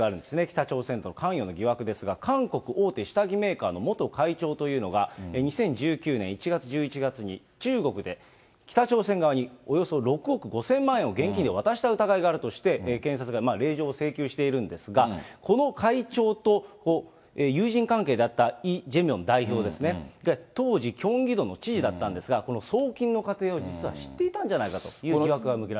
関与の疑惑ですが、韓国大手下着メーカーの元会長というのが、２０１９年１月１１日に中国で北朝鮮側に６億５０００万円を現金で渡した疑いがあるとして、検察が令状を請求しているんですが、この会長と友人関係だったイ・ジェミョン代表ですね、当時、キョンギ道の知事だったんですが、この送金の確認を実は知っていたんではないかということなんです。